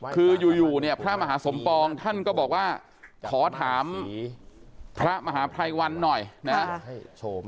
คืออยู่เนี่ยพระมหาสมปองท่านก็บอกว่าขอถามพระมหาภัยวันหน่อยนะครับ